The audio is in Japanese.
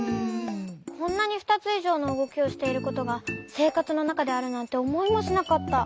こんなにふたついじょうのうごきをしていることがせいかつのなかであるなんておもいもしなかった。